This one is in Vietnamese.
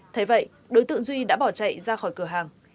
thế vậy đối tượng duy đã bỏ chạy ra khỏi cửa hàng